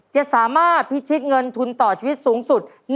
จะสามารถพิชิตเงินทุนต่อชีวิตสูงสุด